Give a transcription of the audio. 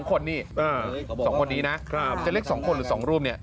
๒คนดีนะจะเลือก๒คนหรือ๒รูป